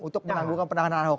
untuk menangguhkan penanganan ahok